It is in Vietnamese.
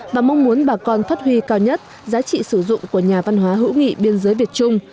và mong muốn bà con phát huy cao nhất giá trị sử dụng của nhà văn hóa hữu nghị biên giới việt trung